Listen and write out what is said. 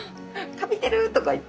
「カビてる」とか言って。